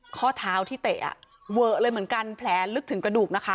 ข้อเท้าที่เตะเวอะเลยเหมือนกันแผลลึกถึงกระดูกนะคะ